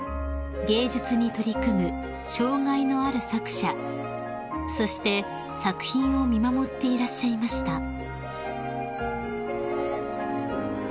［芸術に取り組む障害のある作者そして作品を見守っていらっしゃいました］